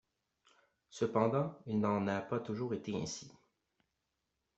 Cependant, il n’en a pas toujours été ainsi.